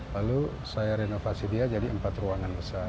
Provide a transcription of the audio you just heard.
lalu saya renovasi dia jadi empat ruangan besar